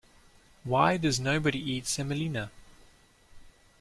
Why does nobody eat semolina?